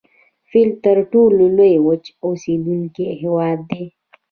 فیل تر ټولو لوی وچ اوسیدونکی حیوان دی